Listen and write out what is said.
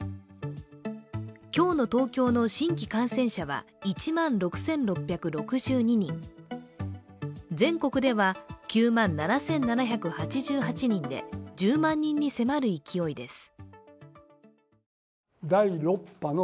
今日の東京の新規感染者は１万６６６２人全国では９万７７８８人で１０万人に迫る勢いです。